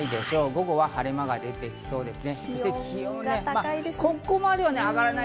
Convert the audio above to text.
午後は晴れ間が出てきそうです。